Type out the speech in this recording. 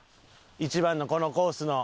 一番のこのコースの。